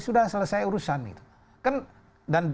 sudah selesai urusan